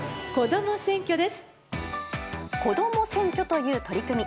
こども選挙という取り組み。